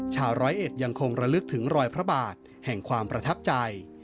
ชาวร้อยเอ็ดยังคงระลึกถึงรอยพระบาทแห่งความประทับใจ